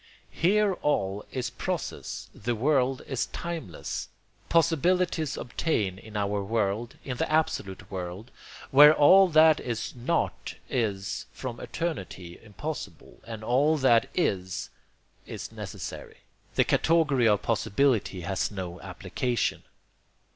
Here all is process; that world is timeless. Possibilities obtain in our world; in the absolute world, where all that is NOT is from eternity impossible, and all that IS is necessary, the category of possibility has no application.